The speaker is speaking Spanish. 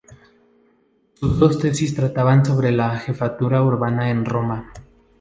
Sus dos tesis trataban sobre la jefatura urbana en Roma.